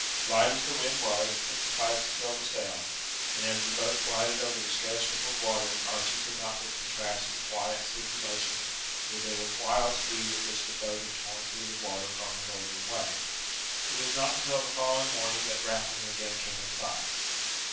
Light as the wind was, it sufficed to fill the sail; and as the boat glided over the scarce rippled water Archie could not but contrast the quiet sleepy motion with the wild speed at which the boat had torn through the water on her northern way. It was not until the following morning that Rathlin again came in sight.